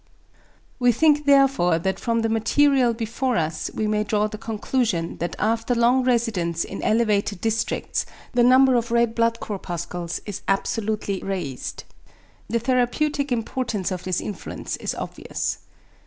We think therefore that from the material before us we may draw the conclusion, that after long residence in elevated districts the number of red blood corpuscles is absolutely raised. The therapeutic importance of this influence is obvious.